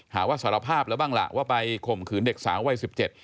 หาว่าสารภาพแล้วบ้างล่ะว่าไปข่มขืนเด็กสาววัยสิบเจ็ด